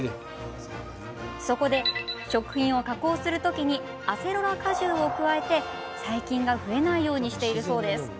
そこで、食品を加工する時にアセロラ果汁を加えて細菌が増えないようにしているそうです。